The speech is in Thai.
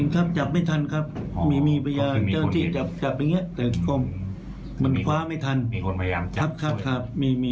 ค่อนแน็ตเข้นมาอยู่นานไหมครับ